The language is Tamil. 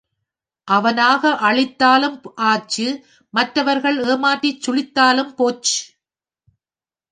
அவனாக அழித்தாலும் ஆச்சு மற்றவர்கள் ஏமாற்றிச் சுழித்தாலும் போச்சு.